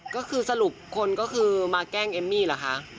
ก็คือสรุปคนก็คือมาแกล้งเอมมี่เหรอคะ